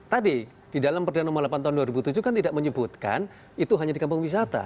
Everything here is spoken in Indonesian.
tadi di dalam perda nomor delapan tahun dua ribu tujuh kan tidak menyebutkan itu hanya di kampung wisata